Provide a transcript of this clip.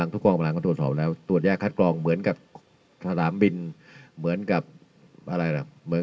ทุกกองกำลังก็ตรวจสอบแล้วตรวจแยกคัดกรองเหมือนกับสนามบินเหมือนกับอะไรล่ะ